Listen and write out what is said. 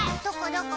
どこ？